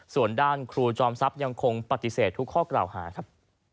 ส่วนด้านครูจอมทรัพย์ยังคงปฏิเสธทุกข้อกล่าวหาครับ